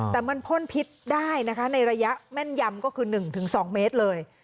แต่มันพ่นพิษได้นะคะในระยะแม่นยำก็คือ๑๒เมตรเลย